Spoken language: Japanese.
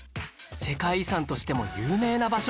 世界遺産としても有名な場所